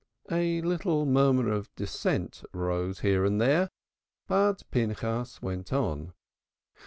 A little murmur of dissent rose here and there, but Pinchas went on.